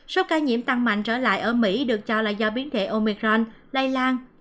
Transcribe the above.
số ca nhiễm tăng mạnh trở lại ở mỹ được cho là do biến thể omicron lây lan